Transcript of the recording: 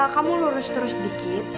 kamu lurus terus dikit